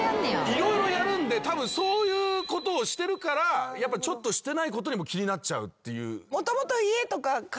色々やるんでたぶんそういうことをしてるからやっぱちょっとしてないことにも気になっちゃうっていう。